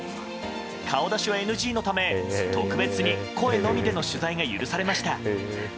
顔出しはＮＧのため特別に声のみでの取材が許されました。